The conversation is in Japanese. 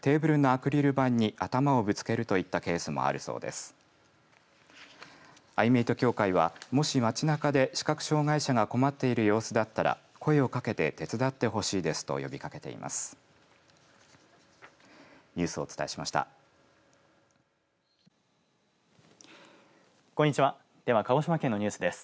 アイメイト協会はもし街なかで視覚障害者が困っている様子だったら声をかけて手伝ってほしいですと呼びかけています。